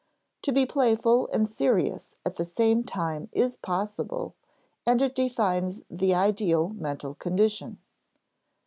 To be playful and serious at the same time is possible, and it defines the ideal mental condition.